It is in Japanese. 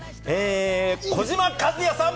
児嶋一哉さん！